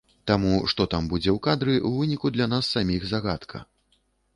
Таму што там будзе ў кадры, у выніку для нас для саміх загадка.